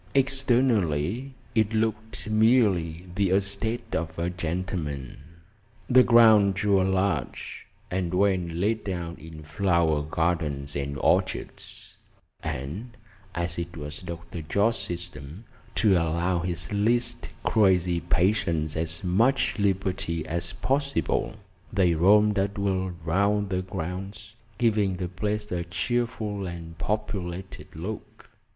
Externally, it looked merely the estate of a gentleman. The grounds were large, and well laid out in flower gardens and orchards; and as it was Dr. Jorce's system to allow his least crazy patients as much liberty as possible, they roamed at will round the grounds, giving the place a cheerful and populated look.